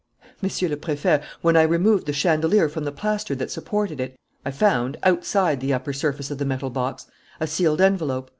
"Monsieur le Préfet, when I removed the chandelier from the plaster that supported it, I found, outside the upper surface of the metal box, a sealed envelope.